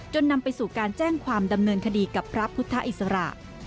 นำไปสู่การแจ้งความดำเนินคดีกับพระพุทธอิสระ